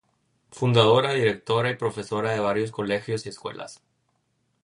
Fundadora, directora y profesora de varios colegios y escuelas.